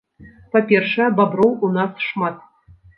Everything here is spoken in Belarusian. Па-першае, баброў у нас шмат.